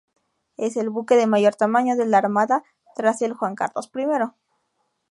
Es el buque de mayor tamaño de la Armada tras el "Juan Carlos I".